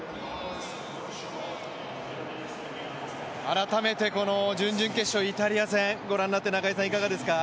改めて準々決勝イタリア戦、ご覧になっていかがですか？